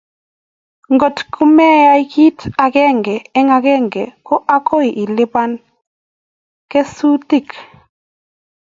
Ngot meyai kit agenge eng agenge ko agoi ilipan kesutik